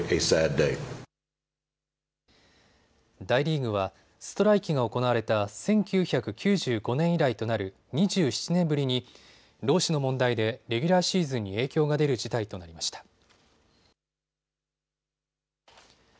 大リーグはストライキが行われた１９９５年以来となる２７年ぶりに労使の問題でレギュラーシーズンに影響が出る事態となりました。